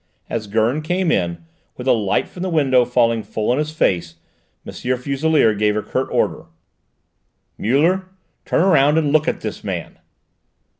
As Gurn came in, with the light from the window falling full on his face, M. Fuselier gave a curt order. "Muller, turn round and look at this man!"